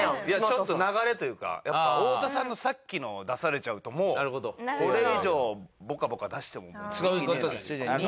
ちょっと流れというかやっぱ太田さんのさっきのを出されちゃうともうこれ以上ボカボカ出しても。